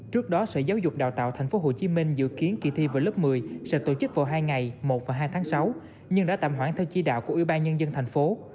trước đó sở giáo dục đào tạo thành phố hồ chí minh dự kiến kỳ thi vào lớp một mươi sẽ tổ chức vào hai ngày một và hai tháng sáu nhưng đã tạm hoãn theo chỉ đạo của yên bài nhân dân thành phố